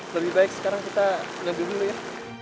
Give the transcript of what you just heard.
lebih baik sekarang kita lebih dulu ya